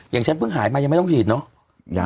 อย่างฉันฟึ่งหายมาให้ไม่ต้องฉีดเนาะ